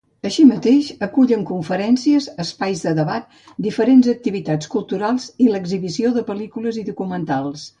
Així mateix, s'acullen conferències, espais de debat, diferents activitats culturals i l'exhibició de pel·lícules documentals.